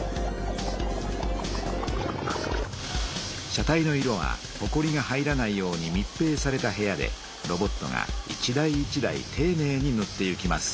車体の色はほこりが入らないようにみっぺいされた部屋でロボットが一台一台ていねいにぬっていきます。